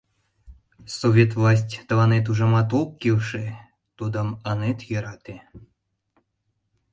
Совет власть тыланет, ужамат, ок келше, тудым ынет йӧрате.